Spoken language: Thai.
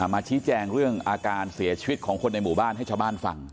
มาชี้แจงเรื่องอาการเสียชีวิตของคนในหมู่บ้านให้ชาวบ้านฟัง